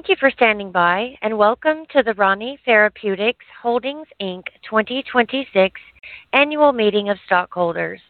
Thank you for standing by, and welcome to the Rani Therapeutics Holdings, Inc., 2026 Annual Meeting of Stockholders.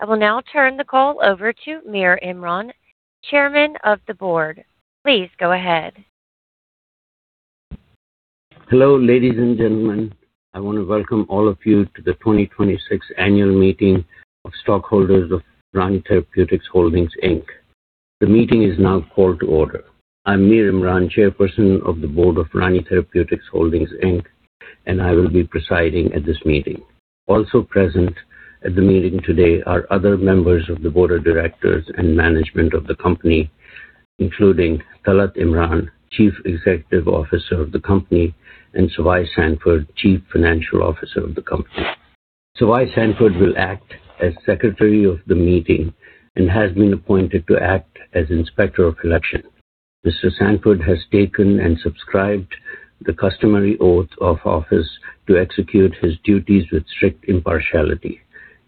I will now turn the call over to Mir Imran, Chairman of the Board. Please go ahead. Hello, ladies and gentlemen. I want to welcome all of you to the 2026 annual meeting of stockholders of Rani Therapeutics Holdings, Inc. The meeting is now called to order. I'm Mir Imran, Chairperson of the Board of Rani Therapeutics Holdings, Inc., and I will be presiding at this meeting. Also present at the meeting today are other members of the Board of Directors and management of the company, including Talat Imran, Chief Executive Officer of the company, and Svai Sanford, Chief Financial Officer of the company. Svai Sanford will act as Secretary of the meeting and has been appointed to act as Inspector of Election. Mr. Sanford has taken and subscribed the customary oath of office to execute his duties with strict impartiality.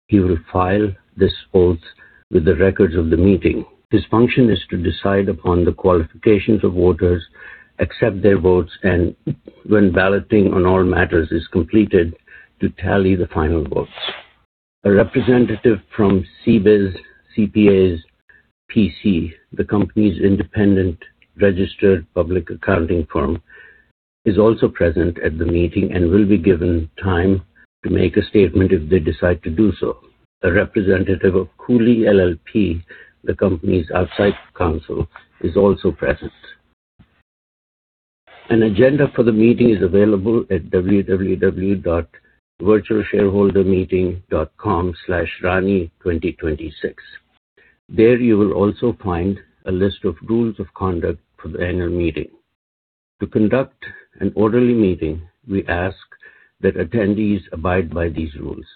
He will file this oath with the records of the meeting. His function is to decide upon the qualifications of voters, accept their votes, and when balloting on all matters is completed, to tally the final votes. A representative from CBIZ CPAs, P.C., the company's independent registered public accounting firm, is also present at the meeting and will be given time to make a statement if they decide to do so. A representative of Cooley LLP, the company's outside counsel, is also present. An agenda for the meeting is available at www.virtualshareholdermeeting.com/rani2026. There, you will also find a list of rules of conduct for the annual meeting. To conduct an orderly meeting, we ask that attendees abide by these rules.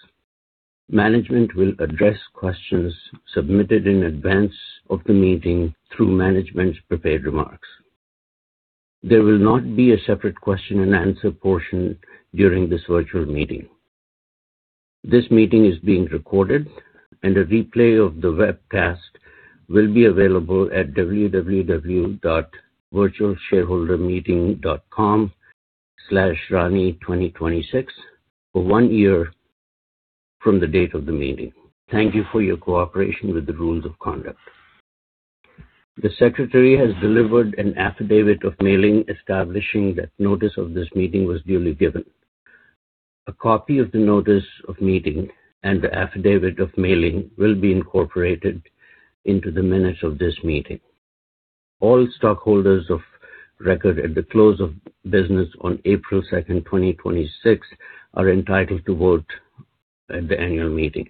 Management will address questions submitted in advance of the meeting through management's prepared remarks. There will not be a separate question-and-answer portion during this virtual meeting. This meeting is being recorded, and a replay of the webcast will be available at www.virtualshareholdermeeting.com/rani2026 for one year from the date of the meeting. Thank you for your cooperation with the rules of conduct. The Secretary has delivered an affidavit of mailing establishing that notice of this meeting was duly given. A copy of the notice of meeting and the affidavit of mailing will be incorporated into the minutes of this meeting. All stockholders of record at the close of business on April 2nd, 2026, are entitled to vote at the annual meeting.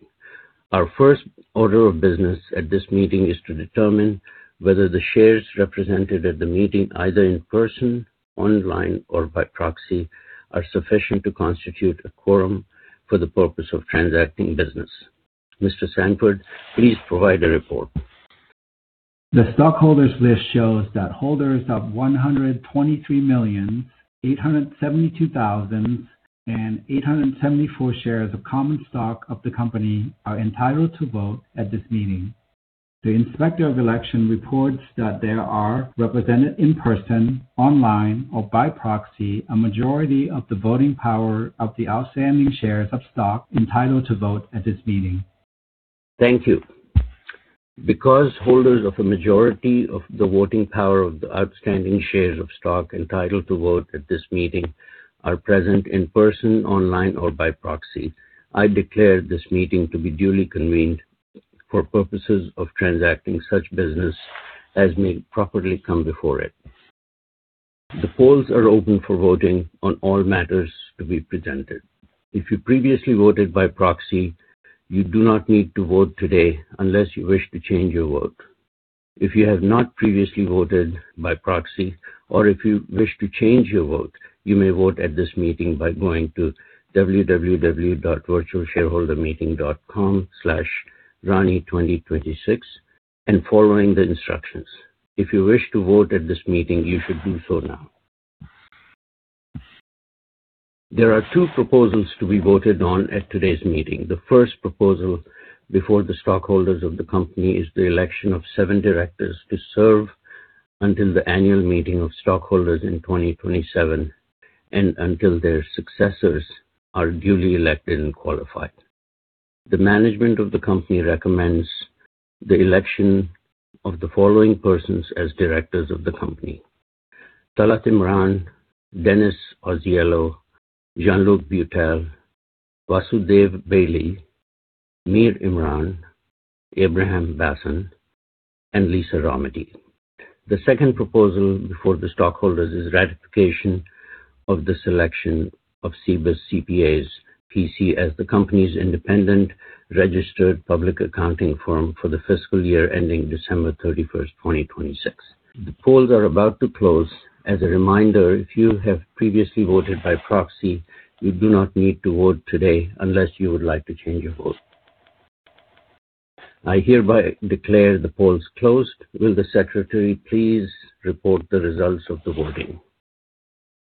Our first order of business at this meeting is to determine whether the shares represented at the meeting, either in person, online, or by proxy, are sufficient to constitute a quorum for the purpose of transacting business. Mr. Sanford, please provide a report. The stockholders' list shows that holders of 123,872,874 shares of common stock of the company are entitled to vote at this meeting. The Inspector of Election reports that there are represented in person, online, or by proxy, a majority of the voting power of the outstanding shares of stock entitled to vote at this meeting. Thank you. Because holders of a majority of the voting power of the outstanding shares of stock entitled to vote at this meeting are present in person, online, or by proxy, I declare this meeting to be duly convened for purposes of transacting such business as may properly come before it. The polls are open for voting on all matters to be presented. If you previously voted by proxy, you do not need to vote today unless you wish to change your vote. If you have not previously voted by proxy or if you wish to change your vote, you may vote at this meeting by going to www.virtualshareholdermeeting.com/rani2026 and following the instructions. If you wish to vote at this meeting, you should do so now. There are two proposals to be voted on at today's meeting. The first proposal before the stockholders of the company is the election of seven directors to serve until the annual meeting of stockholders in 2027 and until their successors are duly elected and qualified. The management of the company recommends the election of the following persons as directors of the company: Talat Imran, Dennis Ausiello, Jean-Luc Butel, Vasudev Bailey, Mir Imran, Abraham Basan, and Lisa Rometty. The second proposal before the stockholders is ratification of the selection of CBIZ CPAs, P.C. as the company's independent registered public accounting firm for the fiscal year ending December 31st 2026. The polls are about to close. As a reminder, if you have previously voted by proxy, you do not need to vote today unless you would like to change your vote. I hereby declare the polls closed. Will the Secretary please report the results of the voting?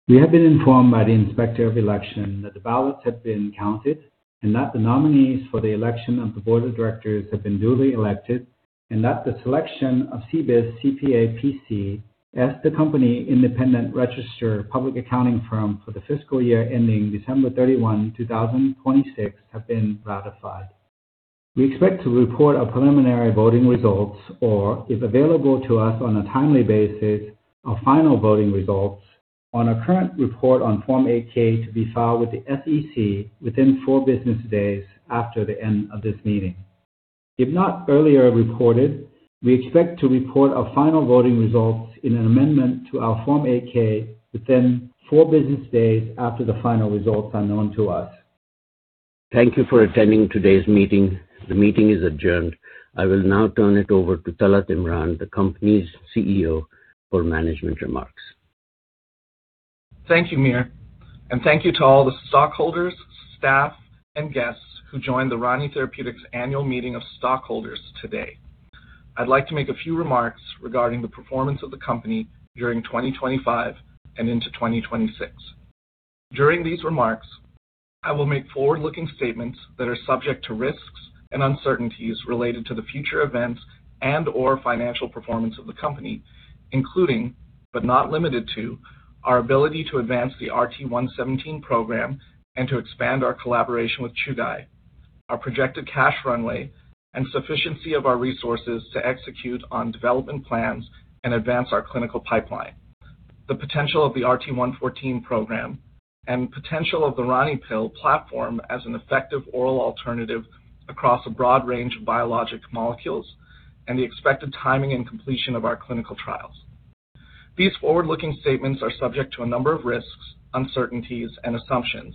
We have been informed by the Inspector of Election that the ballots have been counted, and that the nominees for the election of the Board of Directors have been duly elected, and that the selection of CBIZ CPAs, P.C. as the Company's independent registered public accounting firm for the fiscal year ending December 31, 2026 has been ratified. We expect to report our preliminary voting results, or if available to us on a timely basis, our final voting results on our current report on Form 8-K to be filed with the SEC within four business days after the end of this meeting. If not earlier reported, we expect to report our final voting results in an amendment to our Form 8-K within four business days after the final results are known to us. Thank you for attending today's meeting. The meeting is adjourned. I will now turn it over to Talat Imran, the company's CEO, for management remarks. Thank you, Mir, and thank you to all the stockholders, staff, and guests who joined the Rani Therapeutics Annual Meeting of Stockholders today. I'd like to make a few remarks regarding the performance of the company during 2025 and into 2026. During these remarks, I will make forward-looking statements that are subject to risks and uncertainties related to the future events and/or financial performance of the company, including, but not limited to, our ability to advance the RT-117 program and to expand our collaboration with Chugai, our projected cash runway, and sufficiency of our resources to execute on development plans and advance our clinical pipeline, the potential of the RT-114 program, and potential of the RaniPill platform as an effective oral alternative across a broad range of biologic molecules, and the expected timing and completion of our clinical trials. These forward-looking statements are subject to a number of risks, uncertainties, and assumptions,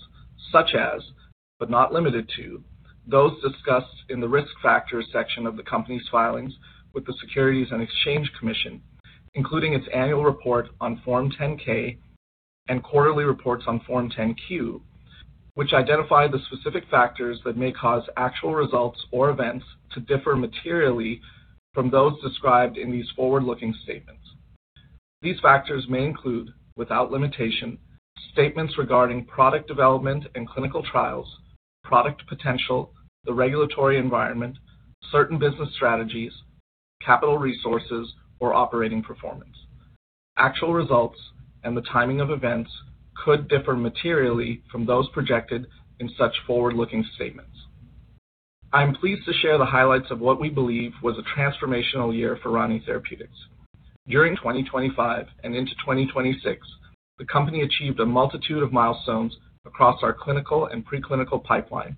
such as, but not limited to, those discussed in the Risk Factors section of the company's filings with the Securities and Exchange Commission, including its annual report on Form 10-K and quarterly reports on Form 10-Q, which identify the specific factors that may cause actual results or events to differ materially from those described in these forward-looking statements. These factors may include, without limitation, statements regarding product development and clinical trials, product potential, the regulatory environment, certain business strategies, capital resources, or operating performance. Actual results and the timing of events could differ materially from those projected in such forward-looking statements. I'm pleased to share the highlights of what we believe was a transformational year for Rani Therapeutics. During 2025 and into 2026, the company achieved a multitude of milestones across our clinical and preclinical pipeline,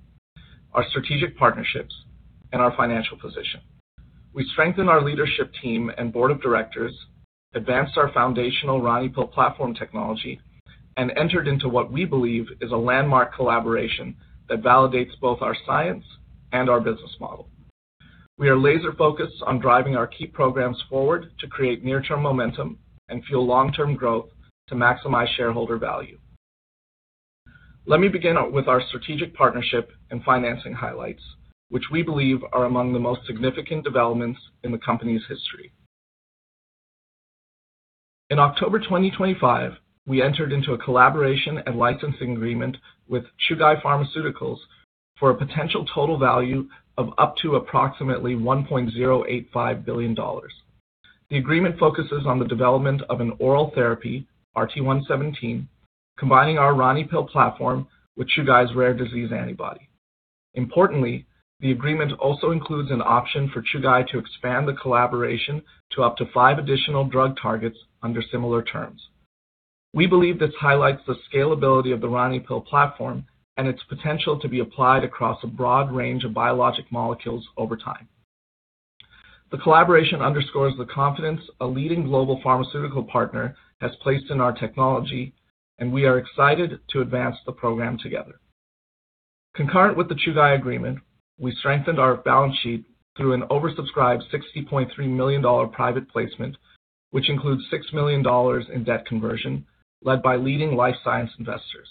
our strategic partnerships, and our financial position. We strengthened our leadership team and board of directors, advanced our foundational RaniPill platform technology, and entered into what we believe is a landmark collaboration that validates both our science and our business model. We are laser-focused on driving our key programs forward to create near-term momentum and fuel long-term growth to maximize shareholder value. Let me begin with our strategic partnership and financing highlights, which we believe are among the most significant developments in the company's history. In October 2025, we entered into a collaboration and licensing agreement with Chugai Pharmaceutical for a potential total value of up to approximately $1.085 billion. The agreement focuses on the development of an oral therapy, RT-117, combining our RaniPill platform with Chugai's rare disease antibody. Importantly, the agreement also includes an option for Chugai to expand the collaboration to up to five additional drug targets under similar terms. We believe this highlights the scalability of the RaniPill platform and its potential to be applied across a broad range of biologic molecules over time. The collaboration underscores the confidence a leading global pharmaceutical partner has placed in our technology, and we are excited to advance the program together. Concurrent with the Chugai agreement, we strengthened our balance sheet through an oversubscribed $60.3 million private placement, which includes $6 million in debt conversion led by leading life science investors.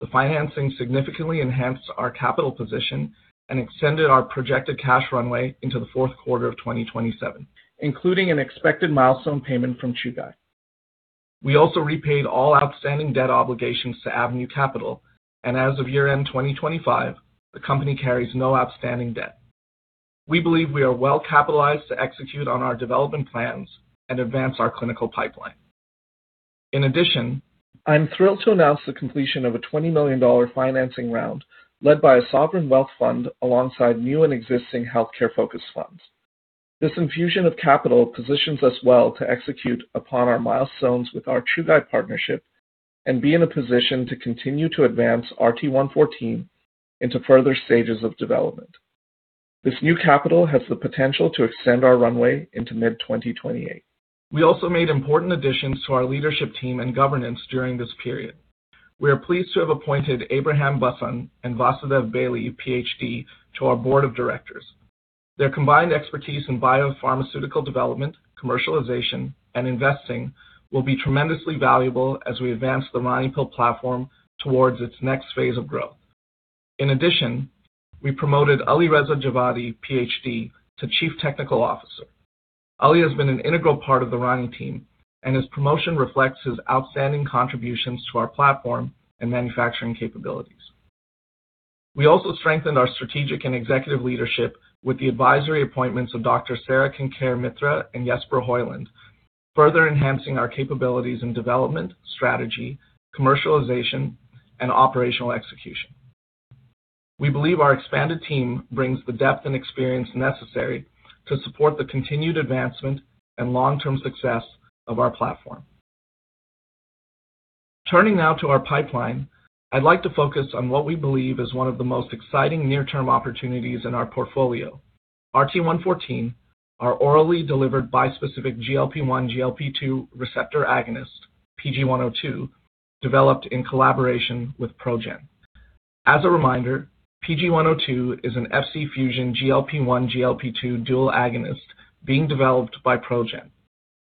The financing significantly enhanced our capital position and extended our projected cash runway into the fourth quarter of 2027, including an expected milestone payment from Chugai. We also repaid all outstanding debt obligations to Avenue Capital. As of year-end 2025, the company carries no outstanding debt. We believe we are well capitalized to execute on our development plans and advance our clinical pipeline. In addition, I'm thrilled to announce the completion of a $20 million financing round led by a sovereign wealth fund alongside new and existing healthcare-focused funds. This infusion of capital positions us well to execute upon our milestones with our Chugai partnership and be in a position to continue to advance RT-114 into further stages of development. This new capital has the potential to extend our runway into mid-2028. We also made important additions to our leadership team and governance during this period. We are pleased to have appointed Abraham Basan and Vasudev Bailey, PhD, to our Board of Directors. Their combined expertise in biopharmaceutical development, commercialization, and investing will be tremendously valuable as we advance the RaniPill platform towards its next phase of growth. In addition, we promoted Alireza Javadi, Ph.D., to Chief Technical Officer. Ali has been an integral part of the Rani team, and his promotion reflects his outstanding contributions to our platform and manufacturing capabilities. We also strengthened our strategic and executive leadership with the advisory appointments of Dr. Sara Kenkare-Mitra and Jesper Høiland, further enhancing our capabilities in development, strategy, commercialization, and operational execution. We believe our expanded team brings the depth and experience necessary to support the continued advancement and long-term success of our platform. Turning now to our pipeline, I'd like to focus on what we believe is one of the most exciting near-term opportunities in our portfolio. RT-114, our orally delivered bispecific GLP-1/GLP-2 receptor agonist, PG-102, developed in collaboration with ProGen. As a reminder, PG-102 is an Fc-fusion GLP-1/GLP-2 dual agonist being developed by ProGen.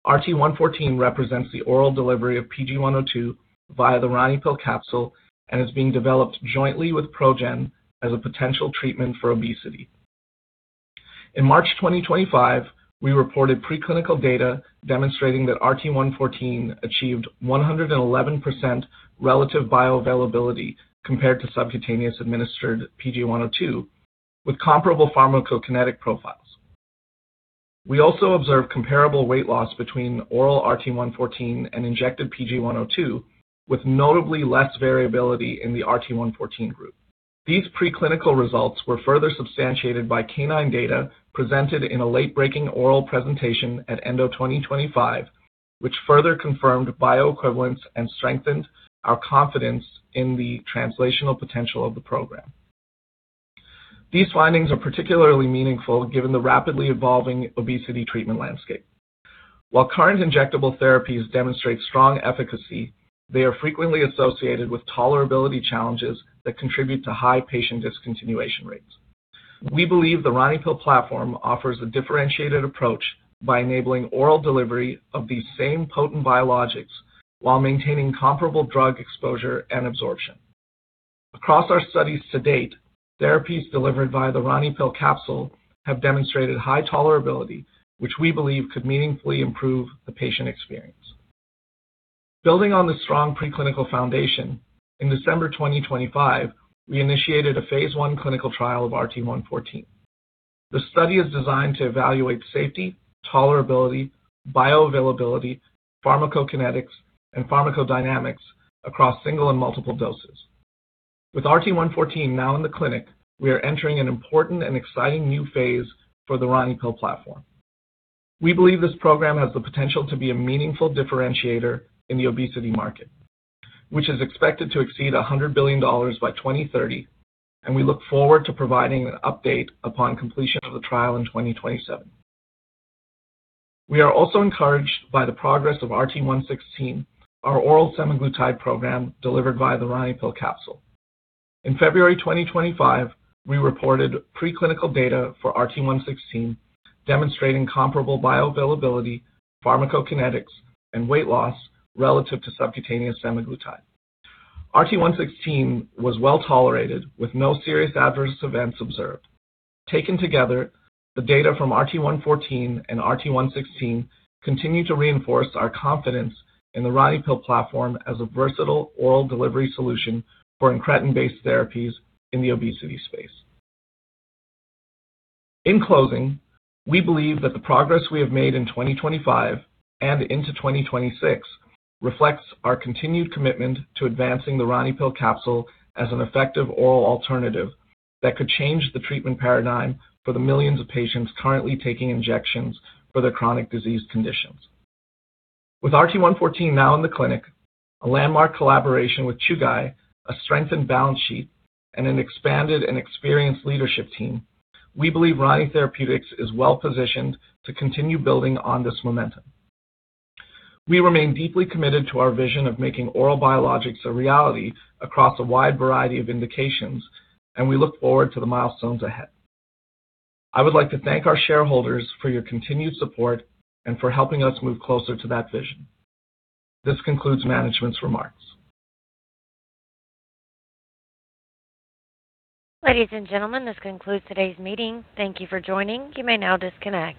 RT-114 represents the oral delivery of PG-102 via the RaniPill capsule and is being developed jointly with ProGen as a potential treatment for obesity. In March 2025, we reported preclinical data demonstrating that RT-114 achieved 111% relative bioavailability compared to subcutaneous administered PG-102 with comparable pharmacokinetic profiles. We also observed comparable weight loss between oral RT-114 and injected PG-102, with notably less variability in the RT-114 group. These preclinical results were further substantiated by canine data presented in a late-breaking oral presentation at ENDO 2025, which further confirmed bioequivalence and strengthened our confidence in the translational potential of the program. These findings are particularly meaningful given the rapidly evolving obesity treatment landscape. While current injectable therapies demonstrate strong efficacy, they are frequently associated with tolerability challenges that contribute to high patient discontinuation rates. We believe the RaniPill platform offers a differentiated approach by enabling oral delivery of these same potent biologics while maintaining comparable drug exposure and absorption. Across our studies to date, therapies delivered via the RaniPill capsule have demonstrated high tolerability, which we believe could meaningfully improve the patient experience. Building on the strong preclinical foundation, in December 2025, we initiated a phase I clinical trial of RT-114. The study is designed to evaluate safety, tolerability, bioavailability, pharmacokinetics, and pharmacodynamics across single and multiple doses. With RT-114 now in the clinic, we are entering an important and exciting new phase for the RaniPill platform. We believe this program has the potential to be a meaningful differentiator in the obesity market, which is expected to exceed $100 billion by 2030, and we look forward to providing an update upon completion of the trial in 2027. We are also encouraged by the progress of RT-116, our oral semaglutide program delivered via the RaniPill capsule. In February 2025, we reported preclinical data for RT-116 demonstrating comparable bioavailability, pharmacokinetics, and weight loss relative to subcutaneous semaglutide. RT-116 was well-tolerated with no serious adverse events observed. Taken together, the data from RT-114 and RT-116 continue to reinforce our confidence in the RaniPill platform as a versatile oral delivery solution for incretin-based therapies in the obesity space. In closing, we believe that the progress we have made in 2025 and into 2026 reflects our continued commitment to advancing the RaniPill capsule as an effective oral alternative that could change the treatment paradigm for the millions of patients currently taking injections for their chronic disease conditions. With RT-114 now in the clinic, a landmark collaboration with Chugai, a strengthened balance sheet, and an expanded and experienced leadership team, we believe Rani Therapeutics is well positioned to continue building on this momentum. We remain deeply committed to our vision of making oral biologics a reality across a wide variety of indications, and we look forward to the milestones ahead. I would like to thank our shareholders for your continued support and for helping us move closer to that vision. This concludes management's remarks. Ladies and gentlemen, this concludes today's meeting. Thank you for joining. You may now disconnect.